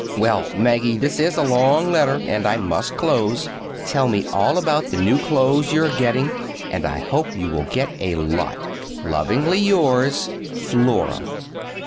Well, Maggie, this is a long letter, and I must close. Tell me all about the new clothes you are getting, and I hope you will get a lot. Lovingly yours, FLORA.